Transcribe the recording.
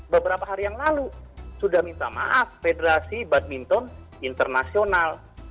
beberapa hari yang lalu sudah minta maaf federasi badminton internasional